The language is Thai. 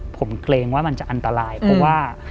ผมเกรงว่ามันจะอันตรายเพราะว่า